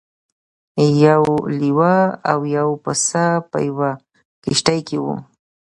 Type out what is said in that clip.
یو لیوه او یو پسه په یوه کښتۍ کې وو.